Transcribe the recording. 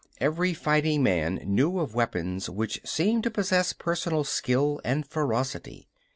Every fighting man knew of weapons which seemed to possess personal skill and ferocity.